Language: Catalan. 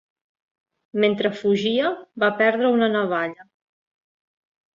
Mentre fugia, va perdre una navalla.